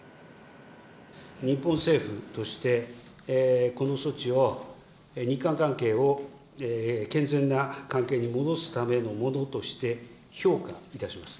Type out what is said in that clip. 日本政府として、この措置を、日韓関係を健全な関係に戻すためのものとして評価いたします。